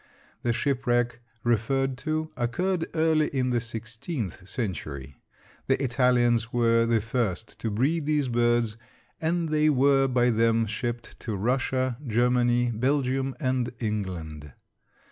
The shipwreck referred to occurred early in the sixteenth century. The Italians were the first to breed these birds, and they were by them shipped to Russia, Germany, Belgium, and England.